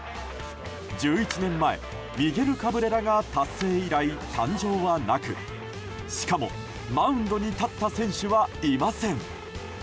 １１年前ミゲル・カブレラが達成以来誕生はなくしかもマウンドに立った選手はいません。